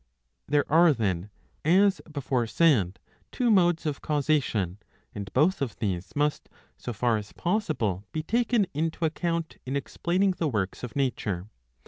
There are then, as before said, two modes of causation, and both of these must, so far as possible, be taken into account in explain ing the works of nature.